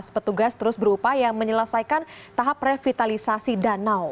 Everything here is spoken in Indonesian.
petugas terus berupaya menyelesaikan tahap revitalisasi danau